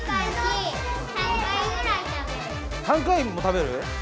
３回も食べる？